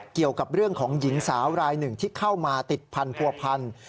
เกี่ยวกับเรื่องของหญิงสาวรายหนึ่งที่เข้ามาติดพันธุ์ผัวพัน